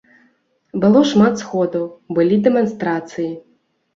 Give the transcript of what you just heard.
Было шмат сходаў, былі дэманстрацыі.